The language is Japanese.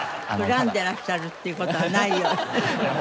恨んでいらっしゃるっていう事はない。